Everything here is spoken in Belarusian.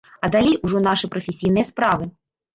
А далей ужо нашы прафесійныя справы.